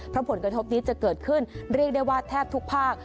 เพราะผลกระทบนี้จะเกิดขึ้นเรียกได้ว่าแทบทุกภาค